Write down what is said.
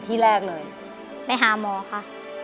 ที่แรกเลยไปหาหมอค่ะ